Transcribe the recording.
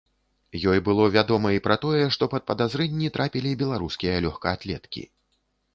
Ёй было вядома і пра тое, што пад падазрэнні трапілі беларускія лёгкаатлеткі.